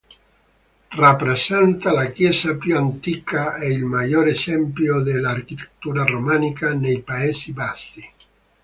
Rappresenta la chiesa più antica e il maggior esempio dell'architettura romanica nei Paesi Bassi.